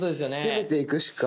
攻めていくしか。